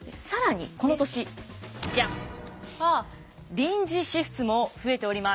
臨時支出も増えております。